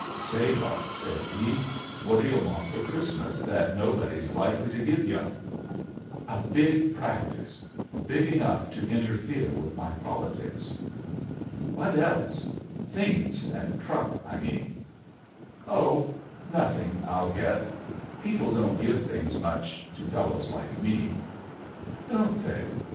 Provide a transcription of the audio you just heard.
"Say, Eoc," said he, "what do yu' want for Christmas that nobody's likely to give 70* ?" "A big practice— big enough to inter fere with my politics." A JOURNEY IN SEARCH OP CHRISTMAS "What else? Things and truck, I mean." "Oh— nothing VU get People don't give things much to fellows like me." Don*t they?